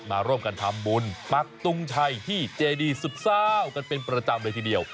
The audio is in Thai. มาร่วมกันทำบุญปักตุงชัยที่เจดีสุดเศร้ากันเป็นประจำเลยทีเดียว